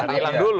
dia hilang dulu